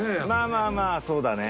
まぁまぁそうだね。